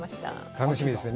楽しみですね。